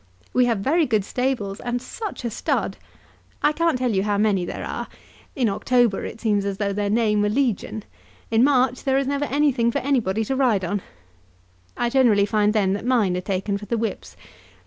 We have very good stables, and such a stud! I can't tell you how many there are. In October it seems as though their name were legion. In March there is never anything for any body to ride on. I generally find then that mine are taken for the whips.